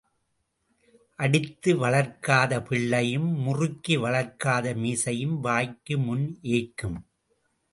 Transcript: அடித்து வளர்க்காத பிள்ளையும் முறுக்கி வளர்க்காத மீசையும் வாய்க்கு முன் ஏய்க்கும்.